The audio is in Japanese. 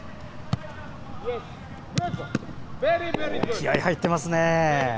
気合い入ってますね！